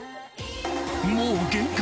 もう限界！